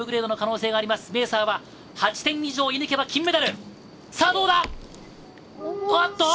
メーサーは８点以上射抜けば金メダル。